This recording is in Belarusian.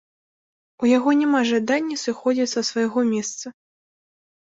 У яго няма жадання сыходзіць са свайго месца.